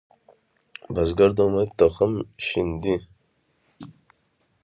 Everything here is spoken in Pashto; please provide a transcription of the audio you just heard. بزګر د امید تخم شیندي